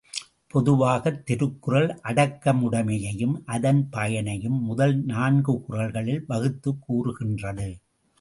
பொதுவாகத் திருக்குறள் அடக்கமுடைமையையும் அதன் பயனையும் முதல் நான்கு குறள்களில் வகுத்துக் கூறுகின்றது.